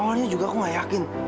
awalnya juga aku gak yakin